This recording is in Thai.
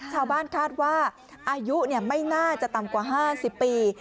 ชาวบ้านคาดว่าอายุไม่น่าจะต่ำกว่า๕๐ปี